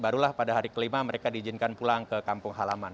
barulah pada hari kelima mereka diizinkan pulang ke kampung halaman